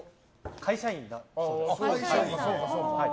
会社員だそうです。